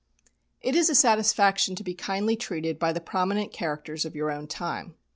It is a satisfaction to be kindly treated by the prominent characters of your own time.